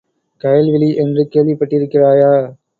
கயல் விழி என்று கேள்விப் பட்டிருக்கிறாயா?